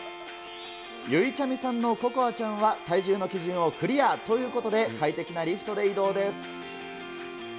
ゆいちゃみさんの心愛ちゃんは体重の基準をクリアということで、快適なリフトで移動です。